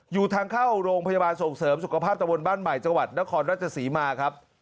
อยู่ทางเข้าโรงพยาบาลส่งเสริมสุขภาพตะบนบ้านใหม่จังหวัดนครราชศรีมาครับ